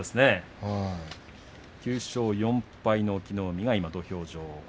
９勝４敗の隠岐の海が土俵上。